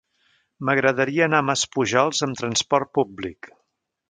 M'agradaria anar a Maspujols amb trasport públic.